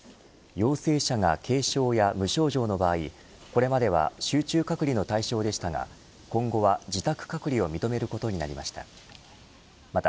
陽性者が軽症や無症状の場合これまでは集中隔離の対象でしたが今後は自宅隔離を認めることになりました。